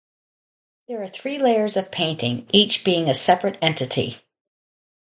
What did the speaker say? There are three layers of painting, each being a separate entity.